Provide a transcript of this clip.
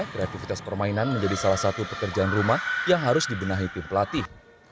kreativitas permainan menjadi salah satu pekerjaan rumah yang harus dibenahi tim pelatih